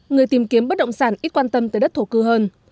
người tìm kiếm bất động sản ít quan tâm tới đất thổ cư hơn